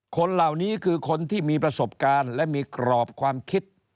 คนเหล่านี้คือคนที่มีประสบการณ์และมีกรอบความคิด